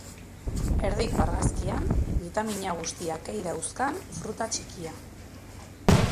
Erdiko argazkian, bitamina guztiak ei dauzkan fruta txikia.